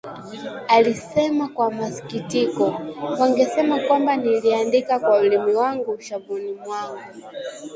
" alisema kwa masikitiko; "Wangesema kwamba niliandika kwa ulimi wangu shavuni mwangu